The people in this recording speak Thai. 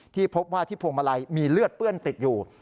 พบว่าที่พวงมาลัยมีเลือดเปื้อนติดอยู่